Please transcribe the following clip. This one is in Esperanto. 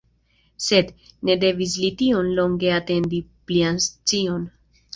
Sed, ne devis li tiom longe atendi plian scion.